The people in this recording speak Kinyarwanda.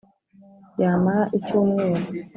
yamara icyumweru